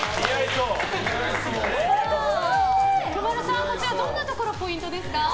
福丸さん、こちらどんなところポイントですか？